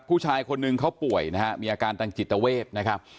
ผู้ชายคนหนึ่งเขาป่วยนะฮะมีอาการทางจิตเวทนะครับ